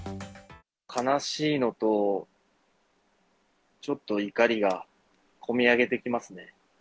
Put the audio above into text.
悲しいのと、ちょっと怒りが込み上げてきますね。